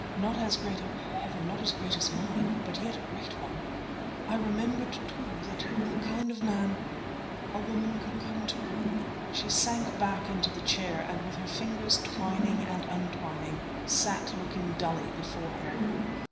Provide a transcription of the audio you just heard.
Not as great, O heaven! not as great as mine, but yet a great one. I remembered, too, that you were the kind of man—a woman can come to..." She sank back into the chair, and with her fingers twining and untwining, sat looking dully before her.